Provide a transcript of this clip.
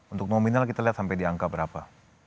untuk nominal kita lihat sampai di angka berapa